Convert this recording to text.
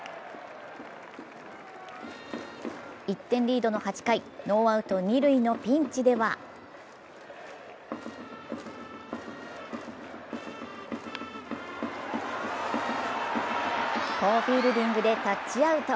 １点リードの８回、ノーアウト二塁のピンチでは好フィールディングでタッチアウト。